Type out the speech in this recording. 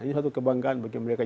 ini satu kebanggaan bagi mereka